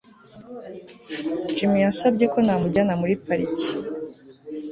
Jimmy yansabye ko namujyana muri pariki